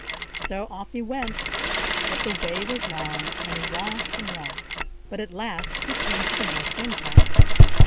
So off he went, but the way was long, and he walked and walked; but at last he came to the North Wind's house.